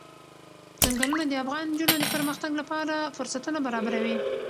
ځنګلونه د افغان نجونو د پرمختګ لپاره فرصتونه برابروي.